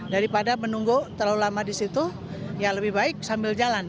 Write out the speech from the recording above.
daripada menunggu terlalu lama di situ ya lebih baik sambil jalan